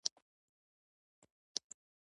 واه واه څومره په زړه پوري.